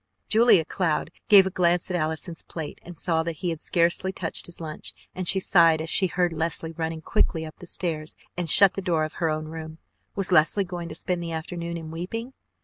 Julia Cloud gave a glance at Allison's plate and saw that he had scarcely touched his lunch, and she sighed as she heard Leslie run quickly up the stairs and shut the door of her own room. Was Leslie going to spend the afternoon in weeping?